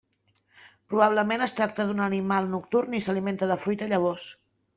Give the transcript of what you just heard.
Probablement es tracta d'un animal nocturn i s'alimenta de fruita i llavors.